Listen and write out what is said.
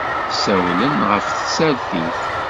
Ssawlen ɣef tsertit.